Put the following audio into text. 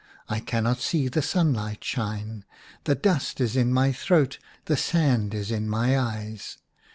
I cannot see the sunlight shine, the dust is in my throat, the sand is in my eyes